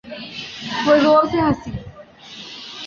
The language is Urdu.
وہ زور سے ہنسی۔